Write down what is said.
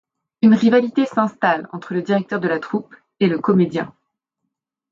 Une rivalité s'installe entre le directeur de la troupe et le comédien.